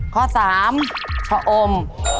ข้อสามชะอม